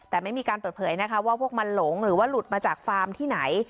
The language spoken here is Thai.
แต่ไม่มีการเปิดเผยนะคะว่าพวกมันหลงหรือว่าหลุดมาจากฟาร์มที่ไหน